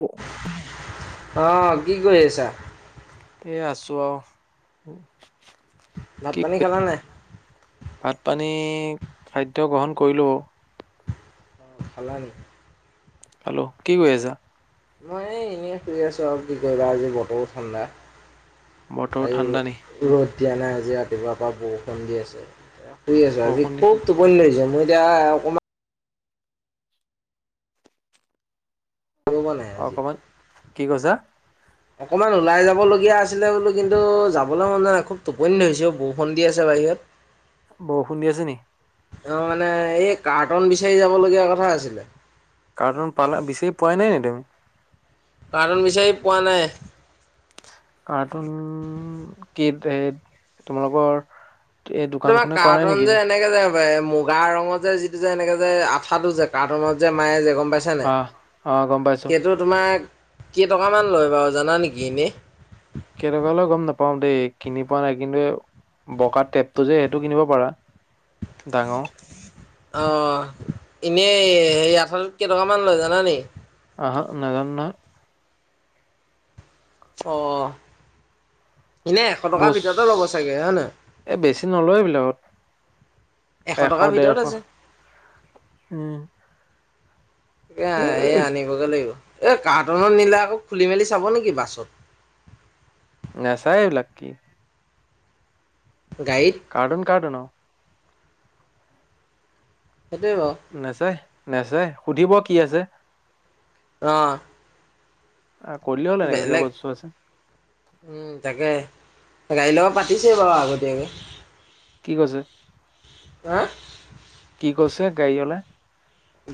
উ, অঁ কি কৰিৈ আছা এ আছো আৰু ভাত কি পানী খালা নাই কৰিছে ভাত পানী খাদ্য গ্ৰহণ কৰিলো অ পালনিি হেল্ল' কি কৰিৈ আছা মই এই এনেই শুই আছোঁ আৰু কি কা আজি বতৰো ঠাণ্ডা বতৰ ঠাণ্ডা নিে পতিয়াানাই আজি ৰাতিপুৱাৰ পৰা বৰষুণ দি আছে শুই আছো আজি বৰষুণ দি খুব টোপনি যাম মোৰ এতিয়া অকণমান অমানাই আজি অকমান কি কৈছা অকনমান ওলাই যাবলগীয়া আছিলে বোলো কিন্তু যাবলৈ মন নাই খুব টোপনি হৈছে বৰষুণ দি আছে বাৰ একাত বৰষুণ দিি আছে নি অ মানে এই কাৰ্টন বিচাৰি যাব লগগীয়া কথা আছিলে কাৰণ পালা বিচি পোৱাই নাই নেদমি কাৰণ বিচাৰি পোৱা নাই কাৰ্টুন কি সেই তোমালোকৰ এই তোমাৰ দোকানখনে কোৱা নাই কাৰ্টন নেকি যে এনেকে যোয় মুগা ৰঙত যে যিটো যে এনেকে যে আঠাটো যে কাৰ্টুনত যে মায়ে পাইছানে আহ আহ গম পাইছো সেইটো তোমাক কেই টকামান লয় বাৰু জানা নেকি এনেই কেৰকালও গম নাপাও দেই কিনি পোৱা নাই কিন্তু বকা টেপটো যে সেইটো কিনিব পাৰা ডাঙৰ অ এনেই হে আঠালত কেইটকাামান লৈ জানানে আহ নগ ন অ এনে এশ টকাৰ বছ ভিতৰতে ল'ব চাগে হয় ন এ বেছি নলয় এইবিলাকত এশ টকাৰ ভিতৰত আছে উম, এ এই আনিবগে লাগিব এ কাৰ্টনৰ নিলা আকৌ খুলি মেলি চাব নেকি বাছত নাচাই এইবিলাক গাড়ীত কাটুন সেইটোৱে বাৰু নাচাই নেচাই সুধিব কি আছে অ কৰিলে হ'ল এনেকে এনেকে বেলেগ বস্তু আছে তাকে গাড়ীৰ লগত পাতিছেই বাৰু আগতীয়াকৈ কি কৈছে হা কি কৈছে গাড়ী অললে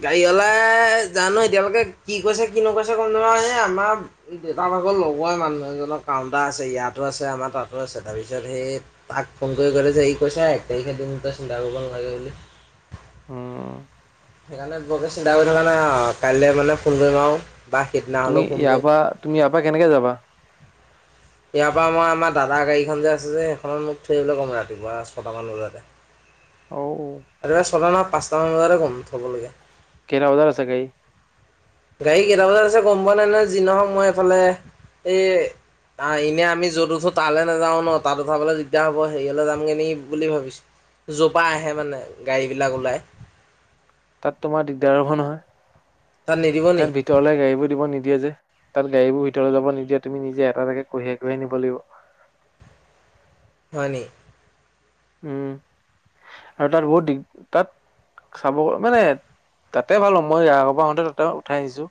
গাড়ী অলাই জানো এতিয়ালৈকে কি কৈছে কি নকৈছে কম জা এই আমাৰ দেউতা ভাগৰ লগৰ মানুহ এজনক ক কাউণ্টাৰ আছে ইয়াতো আছে আমাৰ তাতো আছে তাৰপিছত সেই তাক ফোন কৰি ক'লে যে ই কৈছ এক তাৰিখেদিন চিন্তা কৰিব নালাগে বুলি উম সেইকাৰণে বৰ বেছি দা হৈ থাককাৰণে কাইলৈ মানে ফোন কৰিম আৰু বা সেইদিনা তুমি হ'লেও ফোন ইয়াৰ কৰিম পৰাা তুমি ইয়াৰ পৰা কেনেকে যাবা ইয়াৰ পৰা মই আমাৰ দাদাৰ গাড়ীখন যে আছে যে সেইখনত মোক থৰিবলৈ ক'ম ৰাতিপুৱা ছটাামান বজাতে অ, আৰু চলা পাঁচটা মান বজাতে গম থবলগে কেইতা বজাত আছে গাড়ী গাড়ী কেইটা বজাত আছে গম পোৱা নাই নহয় যি নহওক মই এইফালে এই নাই এনে আমি যত উঠো তালৈ নাযাও ন তাত উঠাবলৈ দিগদাৰ হ'ব হেৰিয়লে যামগে নেকি বুলি ভাবিছো। জোপা আহে মানে গাড়ী বিলাক ওলাই। তাত তোমাৰ দিগদাৰ হ'ব নহয়, তাত নিদিব নি তাত ভিতৰলে গাড়ীবোৰ দিব নিদিয়ে যে। তাত গাড়ীবোৰ ভিতৰত যাব নিদিয়ে তুমি নিজে এটা এটাকে কঢ়িয়াই কঢ়িয়াই নিব লাগিব। হয় নি? উম, আৰু তাত বহুত দিগ, তাত চাব মানে, তাতে ভাল [unintelligible] মই আগৰবাৰ আহোতে তাতে উঠাই আহিছোঁ।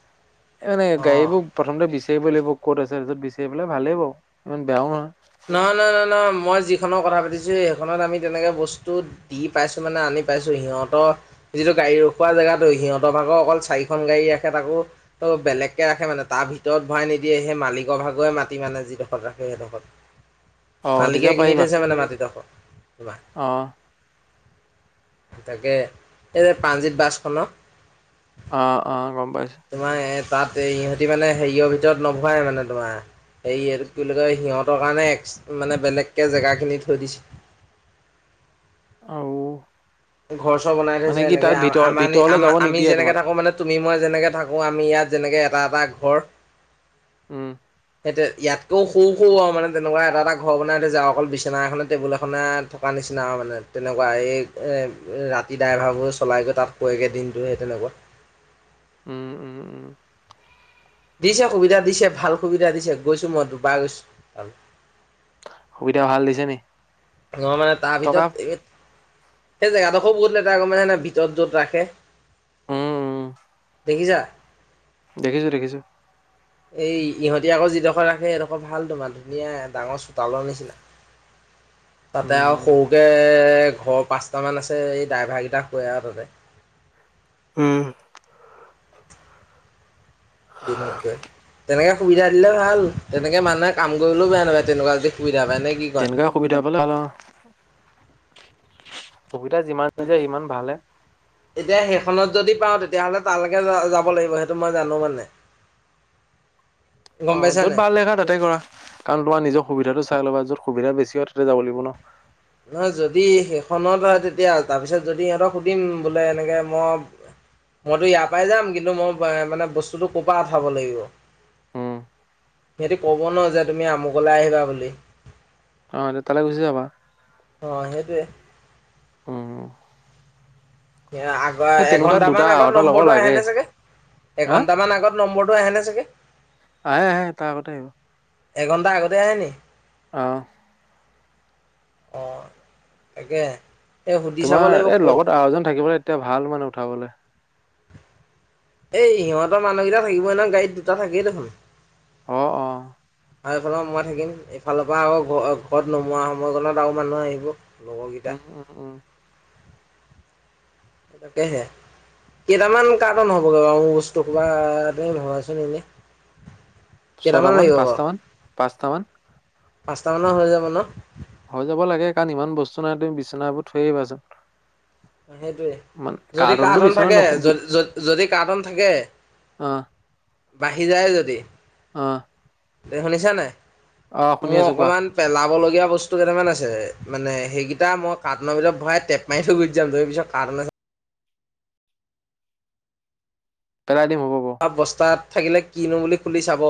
[inaudible] এই মানে অ গাড়ীবোৰ প্ৰথমতে বিচাৰিব লাগিব ক'ত আছে পিছত বিচাৰি পেলাই ভালে বাউ, ইমান বেয়াও নহয়। নহয় নহয় নহয় নহয় মই যিখনৰ কথা কৈছোঁ সেইখনত আমি তেনেকে বস্তু দি পাইছো মানে আনি পাইছো সিহঁতৰ, যিটো গাড়ী ৰখোৱা জেগাতো সিহঁতৰ ভাগৰ অকল চাৰিখন গাড়ী ৰাখে তাকো, বেলেগকে ৰাখে মানে তাৰ ভিতৰত ভৰাই নিদি য়ে সেই মালিকৰ ভাগৰে মাতি মানে যিডোখৰত ৰাখে সেইডোখৰত। অ মালিকে তেতিয়া কিনি পাৰিবা থৈছে মানে মাটিডোখৰ, কিবা। অ তাকে, এই প্ৰাণজিৎ বাছখনক। অ', অ, গম পাইছোঁ। এ তাত এই ইহঁতি মানে হেৰিয়ৰ ভিতৰত নভৰাই মানে, তোমাৰ হেৰি কি বুলি কয় সিহঁতক মানে এক্স মানে বেলেগকে জেগাখিনি থৈ দিছে। আউ ঘৰ চৰ বনাই থৈছে এনেকে আম আমানি আম ভিতৰলে যাব আমাৰ আম আমি নিদিয়ে যেনেকে তোমাক থাকোঁ মানে [unintelligible] নি মই যেনেকে থাকোঁ আমি ইয়াত যেনেকে এটা এটা ঘৰ উম, এতে ইয়াতটোও সৰু সৰু আৰু মানে তেনেকুৱা এটা এটা ঘৰ বনাই থৈছে আৰু অকল বিচনা এখনে টেবুল এখনে থকা নি চিনা মানে তেনেকুৱা এই এহ এহ ৰাতি ড্ৰাইভাৰবোৰ চলাই যে তাত শুৱেগে দিনটো সেই তেনেকুৱা। উম, উম, উম, দিছে সুবিধা দিছে ভাল সুবিধা দিছে গৈছো মই দুবাৰ গৈছোঁ। সুবিধা ভাল দিছে নি? অ', মানে তাৰ টকা ভিতৰত এই সেই জেগাটো খুব বহুত লেতেৰা আকৌ মানে [unintelligible] ভিতৰত যত ৰাখে। উম দেখিছা? দেখিছোঁ, দেখিছোঁ। এই ইহঁতি আকৌ যিডোখৰ ৰাখে সেইডোখৰ ভাল তোমাৰ ধুনীয়া ডাঙৰ চোতালৰ নিচিনা। [inaudible] তাতে উম আৰু সৰুকে এহ ঘৰ পাঁচটামান আছে এই ড্ৰাইভাৰ কেইটা শুৱে আৰু তাতে। হুম, দিনততে, তেনেকে সুবিধা দিলে ভাল তেনেকে মানুহে কাম কৰিলেও বেয়া নাপায় তেনেকুৱা যদি সুবি তেনেকুৱা সুবিধা পালে [unintelligible] সুবিধা যিমান যে সেইটো সিমান ভালহে। এতিয়া সেইখনত যদি পাওঁ তেতিয়াহ'লে তালৈকে যা-যাব লাগিব সেইটো মই জানোঁ মানে। গম অ', পাইছা য'ত নাই ভাল দেখা তাতে কৰা, কাৰণ তোমাৰ নিজৰ সুবিধাটো চাই ল'বা য'ত সুবিধা বেছি হয় তাতে যাব লাগিব ন'। নহয় যদি সেইখনত হয় তেতিয়া তাৰপিছত যদি সিহঁতক সুধিম বোলে এনেকে মই মইতো ইয়াৰ পৰাই যাম কিন্তু মই আহ, মানে বস্তুটো ক'ৰ পৰা আঠাব লাগিব? উম সিহঁতি কব ন' যে তুমি আমুকলে আহিবা বুলি। অ', [unintelligible] তালে গুচি যাবা। অ, সেইটোৱে। উম, সেই আগৰ সেই তেনেকুৱা এঘন্ট দুটা মান আগত এটা লগৰ নম্বৰটো আহে লাগে নে চাগে হা এঘন্ট মান আগত নম্বৰ আহে নে চাগে। আহে - আহে তাৰ আগত এ আহে। এঘন্টা আগতে আহনি? অহ ', অ, তাকে। এই সুধি চাব লাগিব তোমাৰ এই ক'ত লগত আৰু এজন থাকিবলৈ এতিয়া ভাল মানে উঠাবলৈ। এই সিহতৰ মানুহকেইটা থাকিবই নহয় গাড়ীত দুটা থাকেই দেখোন। অ', অ', আৰু এইফালৰ মই থাকিম ইফালৰ পৰা আকৌ ঘ ঘৰত নোমোৱা সময় কত আৰু মানুহ আহিব। লগৰকেইটা উম - উম - উম। সেয়েহে। কেইটামান কাৰ্টন হ'বগৈ বাৰু মোৰ বস্তু কবা এ ভবাচোন এনে ছট মান পাচটাামান - পাচটাামান। পাচটা মানৰ হৈ যাব ন। হৈ যাব লাগে কাৰণ ইমান বস্তু নাই তুমি বিচনাবোৰ থৈ আহিবাচোন। মান সেইটোৱে যদি কাৰ্টনটো কাৰ্টন বিচনাত থাকে নশু বি য যদি কাৰ্টন থাকে অ', বাঢ়ি যায় যদি। অহ ', এই শুনিছানে মোৰ কোৱা। অকণমান পেলাবলগীয়া বস্তু কেইটামান আছে। মানে সেইকেইটা মই কাৰ্টনৰ ভিতৰত ভৰাই টেপ মাৰি থৈ গুচি যাম ত পিছত কাৰ্ন আ পেলাই দিম হ'ব বাৰু। বস্তাত থাকিলে কিনো বুলি খুলি চাব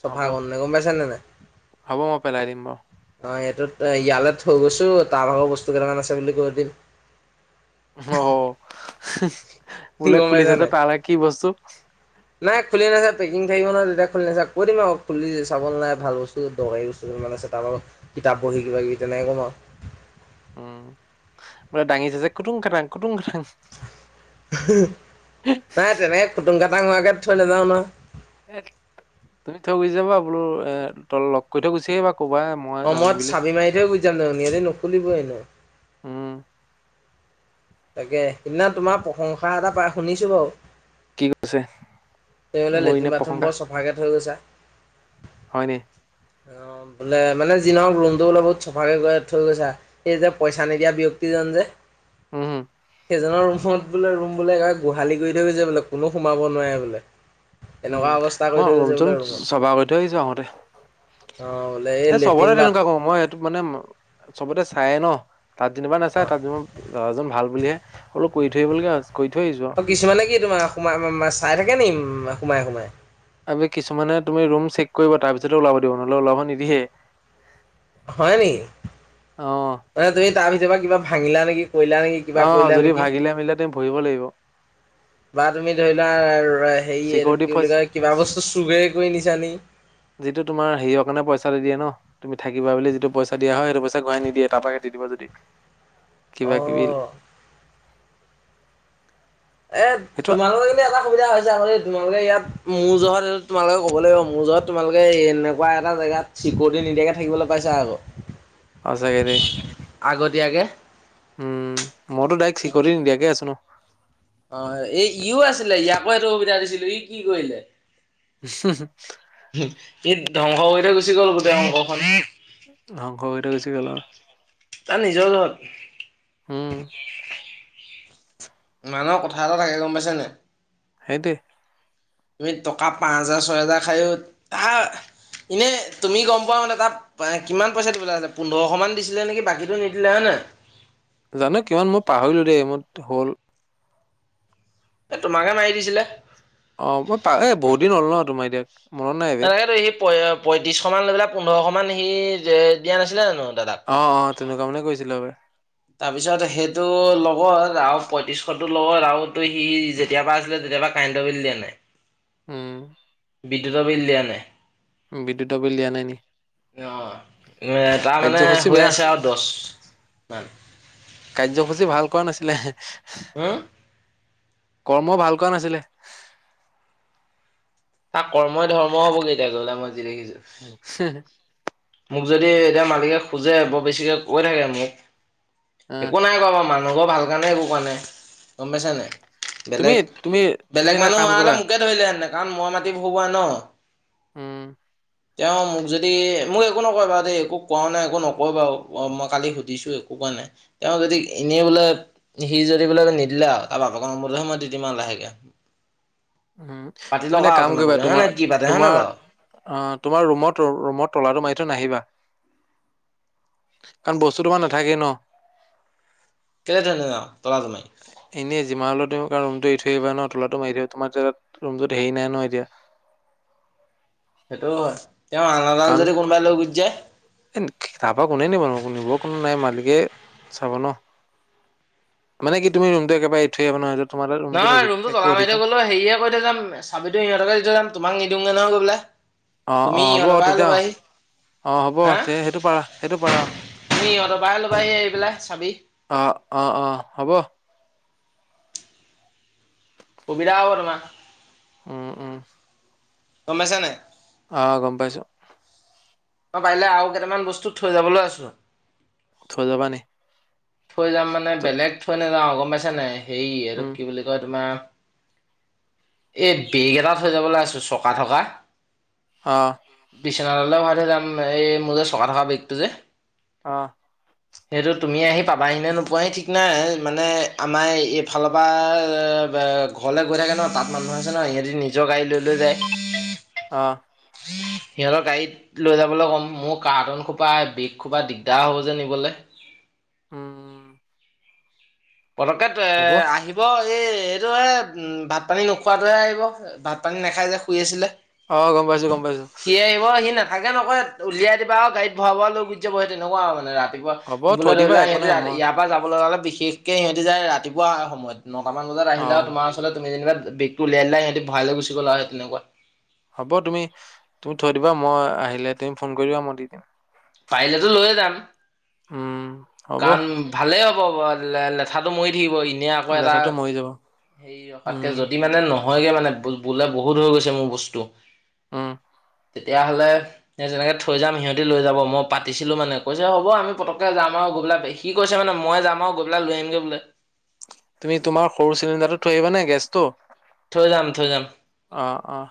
চফা হ'ব, গম নে গম পাইছেনে নাই। হব মই পেলাই দিম বাৰু। অ, এইটোত ইয়ালৈ থৈ গৈছো তাৰ ভাগৰ বস্তু কেইটামান আছে বুলি কৈ দিম। অ, বোলে গম খুলি পাইছা থছে নাই তাৰো কি বস্তু? নাই খুলি নাচ পেকিং থাকিব নয় তেতিয়া খুলি নাচা কৈ দিম আকৌ খুলি চাব নাই ভাল বস্তু দৰকাৰী বস্তু। কিতাপ পঢ়ি কিবা কিবি তেনেকে কম আৰু। উম, বোলে দাঙিছে যে ম খুতুং খাটাং - খুতুং খাটাং। নাই তেনেকে খুটুং কটা মোৱাকে থৈ নাযাও ন। এ তুমি থৈ গুচি যাবা বোলো এ তল লগ কৰি থৈ গুচি আহিবা। ক'বা মই অ, যামেই মত বুলি চাবি মাৰি থহে গুজিাম নহি নুখুলিবইনে। উম তাকে সিদিনা তোমাৰ প্ৰশংসা এটা পাই শুনিছো বাৰু। কি কৈছে তেওহলে মোৰ লেট্ৰিন বাথৰুম বৰ চফাকে থৈ গৈছা। হয়নি। অ, বোলে মানে যিনক ৰুমতটো বলপ বহুত চফাকে গ থৈ গৈছা সেই যে পইচা নিদিয়া ব্যক্তি। ননধে হম - হম। সেইজনৰ ৰুমত বোলে ৰুম বোলে একবাৰে গোহালি কৰি থৈ গৈছে বোলে কোনো সোমাব নোৱাৰে বোলে। উম, এনেকুৱা অৱস্থা কৰি মই থৈ গৈছে ৰুমচম বোলে ৰুমত চবা কৰি থৈ আহিছো আহোতে। অ' বোলে এই এ চবতে লেট্ৰিন বাট তেনেকুৱা কও মই সেইটো মানে চবতে। চায়ে ন তাত যেনিবা নাচাই অ' তাত যে লৰাজন ভাল বুলিহে অলপ কৰি থৈবলগীয়া। অ, কিছুমানে কি তোমাৰোমাই চাই থাকে নে সোমাই - সোমাই। ত' কিছুমানে তুমি ৰুম চেক কৰিব তাৰ পিছতেো ওলাব দিব নহ'লে ওলাব নিদিয়ে। হয় নেকি অ মানে তুমি তাৰ ভিতৰ পৰা কিবা ভাঙিলা নেকি। কৰিলা নেকি অ কিবা কৰিলা যদি নেকি ভাগিলে মিলিলে তুমি ভৰিব লাগিব বা তুমি ধৰিলোৱা হেৰি আৰু চিকিউৰিটি কি বুলি কয় কিবা ফৰ্চ বস্তু চুগে কৰি নিছানি। যিটো তোমাৰ হেৰিয় কাৰণে পইচা দি দিয়ে ন। তুমি থাকিবা বুলি যিটো পইচা দিয়া হয় সেইটো পইচা ঘূৰা নিদিয়ে তাৰপৰা কে দি দিব যদি কিবা কিবি। অ' এ, সেইটো তোমালোকৰ কিন্তু এটা সুবিধা হৈছে আকৌ [unintelligible] তোমালোকে ইয়াত মোৰ যত এইটো তোমালোকে ক'ব লাগিব মোৰ যত তোমালোকে এনেকুৱা এটা জেগাত চিকৰিটি নিদিয়াকে থাকিবলৈ পাইছা আকৌ। সঁচাকে দে। আগতীয়াকে। উম, মইতো ডাইক চিকৰিটি নিদিয়াকে আছো ন'। অ, এ ইও আছিলে ইয়াকো এইটো সুবিধা দিছিলো ই কি কৰিলে সি [unintelligible] ধ্বংস হৈ এতিয়া গুচি গল গোটেই অংশ খন। ধ্বংস কৰি থৈ গুচি গল আও তাৰ নিজৰ জহত উম, মানহ কথা এটা থাকে গম পাইছেনে? হেটোৱে। তুমি টকা পাঁচ -হোজাৰ ছয় হোজাৰ খায়ো হা এনে তুমি গম পোৱা মানে তাত কিমান পইচা দিবলৈ আছে, পোন্ধৰশ মান দিছিলে নেকি বাকীটো নিদিলে হয় নাই? [unintelligible] জানো কিমান মই পাহৰিলো দেই মইত হল এ তোমাকে মাৰি দিছিলে। অ, মই পা বহুত দিন হ'ল ন'তোমাৰ এতিক মনত নাই ৰে। পয় -পঁয়ত্ৰিছশমান লৈ পেলাই পোন্ধৰশ মান সি দিয়া নাছিলা জানো দাদাক অ', অ', তেনেকুৱা মানে কৰিছিলা হ'ব [unintelligible] তাৰপিছত সেইটো লগৰ যাওঁ পয়ত্ৰিছশতো লগত আৰু তোসি যেতিয়াৰ পা আছিলে তে তই এইবাৰ কাৰেণ্টৰ বিল দিলিনে নাই? উম'। বিদ্যুতৰ বিল দিয়া নাই। বিদ্যুতৰ বিল দিয়া নাই নি? অ' তাৰমানানে কাৰ্যসূচী হৈ বেয়া আছে আৰু দহ মান। কাৰ্যসূচী ভাল কৰা নাছিলে। হা। কৰ্মও ভাল কোৱা নাছিলে। তাৰ কৰ্মই ধৰ্ম হবগৈ এতিয়া ক তা মই যি দেখিছো। মোক যদি এতিয়া মালিকে খোজে বৰ বেছিকে কৈ থাকে অ মোক। একো নাই ক বাৰু আমাৰ মানুহঘৰ ভাল কাৰণে একো কৰোৱা নাই। গম পাইছ নাই তুমি বেলেগ তুমি তুমি বেলেগ এটা মানুহ কাম অহা হ'লে কৰিবা মোকে ধৰিলেহেতেন। কাৰণ মই মাতিম [unintelligible] ন উম। তেওঁ মোক যদি মোক একো নকয় বাৰু দেই একো কোৱা নাই। একো নকয় বাৰু মই কালি সুধিছো একো কোৱা নাই তেওঁ যদি এনেই বোলে। বোলে সি যদি বোলে নিদিলে আৰু তাৰ বাপকৰ মৰমতে মই দি দিম আৰু লাহেকে। উম, পাতি তুমি লওক এটা আৰু কাম কৰিবা আপোনালোকে হয় তোমাৰ, নহয় কি পাতে হয় নহয় তোমাৰ। বাৰু অ' তোমাৰ ৰুমত ৰুমত তলাটো মাৰি থৈ নাহিবা। কাৰণ বস্তু তোমাৰ নাথাকেই ন'। কেলেই তেনেকুৱা। এনেই যিমান হ'লেও। ৰুমটো এৰি থৈ আহিবা ন তলাটো মাৰি থবা তোমাৰ তাত ৰুমটোত হেৰি নাই ন এতিয়া। [unintelligible] কাৰণ, যদি কোনোবাই লৈ গুচি যায় তাৰপা কোনে নিবনো নিব কোনো নাই মালিকে চাব ন', মানে কি তুমি ৰুমটো একেবাৰে এৰি থৈ আহিব নো নহয় ৰুমটো টলা মাৰি থৈ গ'লো হেৰীয়ে কৈ থৈ যাম চাবিতো ইহঁতকে দি থৈ যাম তোমাক নিদিও। [unintelligible] অ', অ, হ'ব তেতিয়া, অ, হ'ব হা তে' সেইটো পাৰা সেইটো পাৰা। তুমি ইহঁতৰ পৰাহে ল'বাহি আহি পেলাই চাবি অ', অ, অ, হ'ব। সুবিধা হ'ব তোমাৰ। উম, উম, গম পাইছানে? অ', গম পাইছোঁ। মই পাৰিলে আৰু কেইটামান বস্তু থৈ যাবলৈ আছোঁ। থৈ যাব নি? থৈ যাম মানে ত- বেলেগ থৈ নাযাওঁ গম পাইছা নে হেৰি এইটোক উম, কি বুলি কয় তোমাৰ এহ বেগ এটা থৈ যাবলৈ আছে চকা থকা। অ' বিছনা [unintelligible] ভৰাই থৈ যাম এই মোৰ যে চকা থকা বেগটো যে। অ', সেইটো তুমি আহি পাবাহিনে নোপোৱাহি ঠিক নাই মানে আমাৰ এইফালৰ, ঘৰলে গ'লে চে ন' তাত মানুহ আছে ন' সিহঁতি নিজৰ গাড়ী লৈ লৈ যায়। অ', [inaudible] সিহঁতৰ গাড়ীত, লৈ যাবলে কম মোৰ কাৰ্টনখোপা বেগ খোপা দিগদাৰ হ'ব যে নিবলে। [inaudible] উম, পতকে তে হ'ব আহিব এই -এইটো ভাত পানী নোখোৱাটহে আহিব ভাত পানী নাখায় যে শুই আছিলে। অ', গম পাইছো গম পাইছো সি আহিব সি নাথাকে নকয়। উলিয়াই দিবা আৰু গাড়ী ভৰাব লৈ গুচি যাব সেই তেনেকুৱা আৰু মানে ৰাাত ৰাতিপুৱা হ'ব বোলে থৈ ধৰি দিবা লোৱা একো ইহঁতে নাই মই ইয়াৰ পৰা যাবলৈ হলে বিশেষকে সিহঁতি যায় ৰাতিপুৱা সময়ত নটামান বজাত আহিলে অ', আৰু তোমাৰ ওচৰলে তুমি যেনিবা বেগটো উলিয়াই দিলা সিহঁতি ভৰাই লৈ গুচি গল আৰু সেই তেনেকুৱা। হ'ব তুমি-তুমি থৈ দিবা মই আহিলে তুমি ফোন কৰিবা মই দি দিম। পাৰিলেতো লৈয়ে যাম। উম, হ'ব কাৰণ ভালেই হ'ব ব'লেঠাটো মৰি থাকিব ই ধুনীয়া আকৌ এটা লেঠাটো মৰি যাব হেৰি ৰখাতকে উম, যদি মানে নহ নহয়গে মানে বো-বোলে বহুত হৈ গৈছে মোৰ বস্তু উম, তেতিয়াহ'লে এই তেনেকে থৈ যাম সিহঁতে লৈ যাব মই পাতিছিলো মানে কৈছে হ'ব আমি পতককে যাম আৰু গ গোলাপে সি কৈছে মানে মই যাম আৰু গৈ পেলাই লৈ আহমগৈ বোলে। তুমি তোমাৰ সৰু চিলিণ্ডাৰটো থৈ আহিবা নে গেছটো? থৈ যাম-থৈ যাম। অ', অ'।